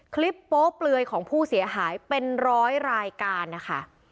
โป๊เปลือยของผู้เสียหายเป็นร้อยรายการนะคะ